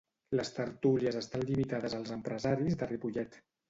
Les tertúlies estan limitades als empresaris de Ripollet.